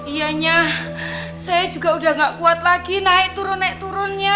iyanya saya juga udah gak kuat lagi naik turun naik turunnya